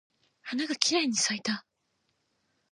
花がきれいに咲いた。